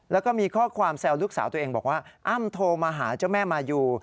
แล้วก็มีข้อความแซวลูกสาวตัวเองบอกว่าอ้ำโทรมาหาเจ้าแม่มายู